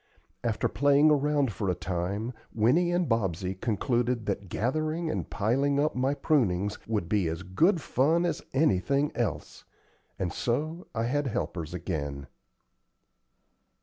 After playing around for a time, Winnie and Bobsey concluded that gathering and piling up my prunings would be as good fun as anything else; and so I had helpers again.